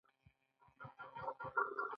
ګیوم یې په بې رحمانه ډول په دار وځړاوه.